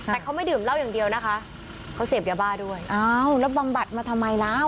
แต่เขาไม่ดื่มเหล้าอย่างเดียวนะคะเขาเสพยาบ้าด้วยอ้าวแล้วบำบัดมาทำไมแล้ว